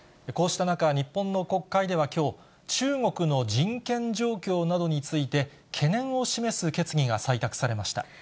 こうした中、日本の国会ではきょう、中国の人権状況などについて懸念を示す決議が採択されました。